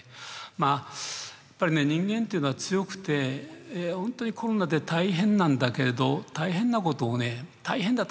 まあやっぱり人間っていうのは強くて本当にコロナで大変なんだけれど大変なことを「大変だ！